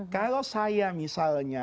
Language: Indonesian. kalau saya misalnya